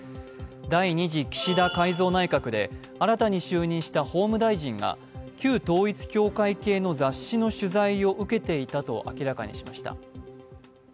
第２次岸田改造内閣で新たに就任した法務大臣が旧統一教会系の雑誌の取材を受けていたと明らかにしました。